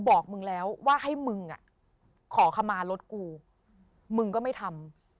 บอกมึงแล้วว่าให้มึงอ่ะขอขมารถกูมึงก็ไม่ทำ